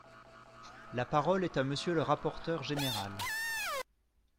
La parole est à Monsieur le rapporteur général.